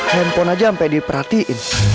handphone aja sampe diperhatiin